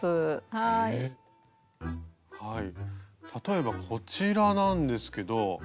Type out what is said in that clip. はい例えばこちらなんですけど。